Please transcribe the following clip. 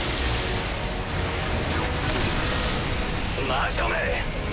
魔女め！